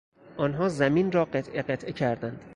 آنها زمین را قطعه قطعه کردند.